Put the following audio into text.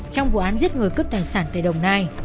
trong vụ án giết người cướp tài sản tại đồng nai